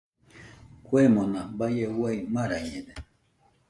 Kuemona baie uai marañede.